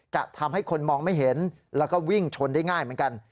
จะทำให้คนมองไม่เห็นแล้วก็วิ่งชนได้ง่ายเหมือนกัน